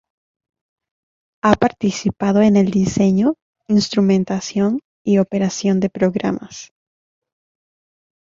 Ha participado en el diseño, instrumentación y operación de programas.